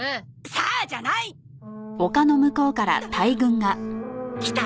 「さあ」じゃない！来た！